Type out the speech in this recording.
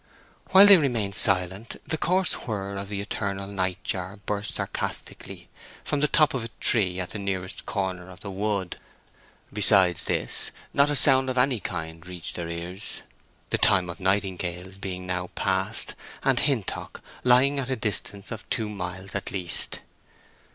While they remain silent the coarse whir of the eternal night jar burst sarcastically from the top of a tree at the nearest corner of the wood. Besides this not a sound of any kind reached their ears, the time of nightingales being now past, and Hintock lying at a distance of two miles at least.